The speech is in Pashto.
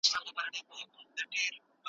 تاسي ولي د شکر پر ځای کینې ته پناه وړئ؟